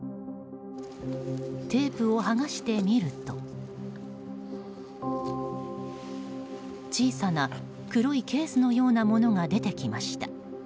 テープを剥がしてみると小さな黒いケースのようなものが出てきました。